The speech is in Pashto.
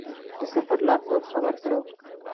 د سفر لارښود خبر کړو.